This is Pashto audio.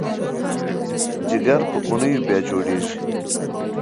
جګر په اونیو بیا جوړېږي.